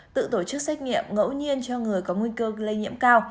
tự tổ chức xét nghiệm ngẫu nhiên cho người có nguy cơ lây nhiễm cao